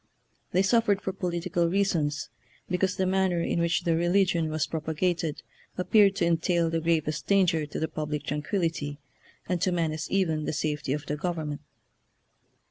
They suffered for political reasons, because the manner in which their religion was prop agated appeared to entail the gravest dan ger to the public tranquillity, and to men ace even the safety of the government.